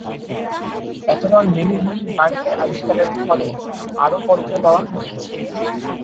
অতঃপর Mary Louise বার্কের আবিষ্কারের ফলে আরও পত্র পাওয়া গিয়াছে।